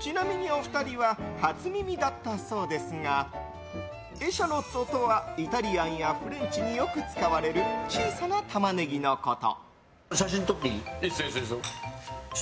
ちなみにお二人は初耳だったそうですがエシャロットとはイタリアンやフレンチによく使われる小さなタマネギのこと。